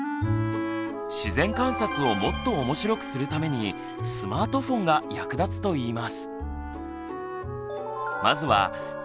自然観察をもっと面白くするためにスマートフォンが役立つといいます。